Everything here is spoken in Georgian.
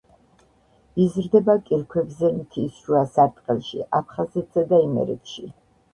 იზრდება კირქვებზე მთის შუა სარტყელში აფხაზეთსა და იმერეთში.